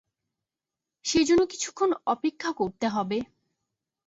সেজন্য কিছুক্ষণ অপেক্ষা করতে হবে।